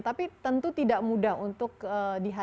tapi tentu tidak mudah untuk dihadapi